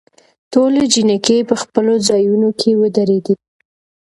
ټولې جینکې په خپلو ځايونوکې ودرېدي.